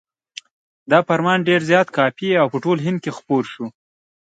دا فرمان ډېر زیات کاپي او په ټول هند کې خپور شو.